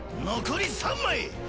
残り３枚！